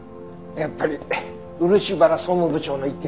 やっぱり漆原総務部長の一件で？